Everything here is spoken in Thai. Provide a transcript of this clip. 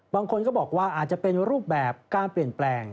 บางคนก็บอกว่าอาจจะเป็นรูปแบบการเปลี่ยนแปลง